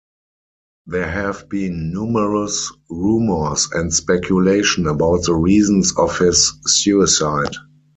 There have been numerous rumours and speculation about the reasons of his suicide.